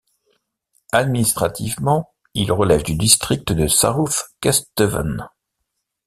Administrativement, il relève du district de South Kesteven.